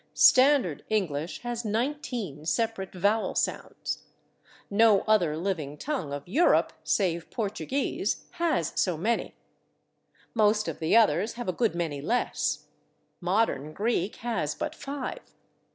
Standard English has 19 separate vowel sounds. No other living tongue of Europe, save Portuguese, has so many; most of the others have a good many less; Modern Greek has but five.